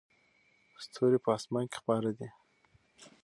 ستوري په اسمان کې خپاره دي.